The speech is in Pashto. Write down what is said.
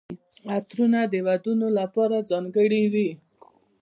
عطرونه د ودونو لپاره ځانګړي وي.